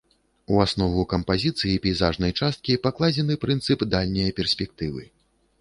У аснову кампазіцыі пейзажнай часткі пакладзены прынцып дальняе перспектывы.